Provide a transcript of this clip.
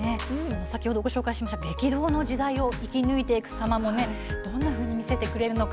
先ほどご紹介した激動の時代を生き抜いていく様もどのような展開を見せてくれるのか。